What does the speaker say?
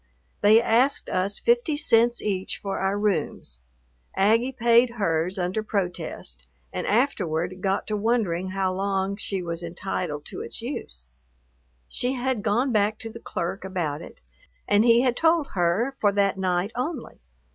They asked us fifty cents each for our rooms. Aggie paid hers under protest and afterward got to wondering how long she was entitled to its use. She had gone back to the clerk about it, and he had told her for that night only.